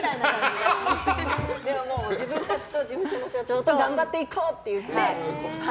だけど自分たちと事務所の社長と頑張っていこうって言って。